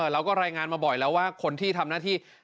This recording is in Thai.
เราก็รายงานมาบ่อยแล้วว่าคนที่ทำหน้าที่